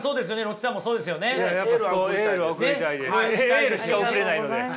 エールしか送れないので。